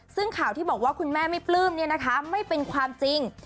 ซึ่งข่าวที่บอกว่าคุณแม่ไม่ปลื้มเนี่ยนะคะไม่เป็นความจริง